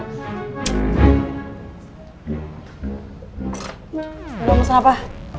lo mau pesen apa